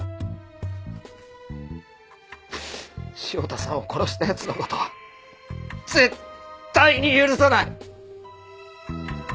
汐田さんを殺した奴の事は絶対に許さない！